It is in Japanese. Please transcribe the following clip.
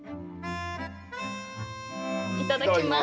いただきます。